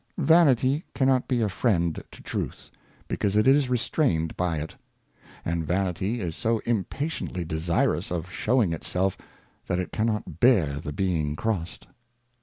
241 Vanity cannot be a Friend to Truth, because it is restrained by it ; and "Vanity is so impatiently desirous of shewing itself, that it cannot bear the being crossed.